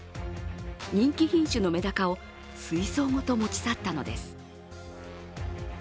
人気品種のメダカを水槽ごと持ち去ったのです。